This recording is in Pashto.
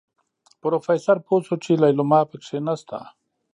پروفيسر پوه شو چې ليلما پکې نشته.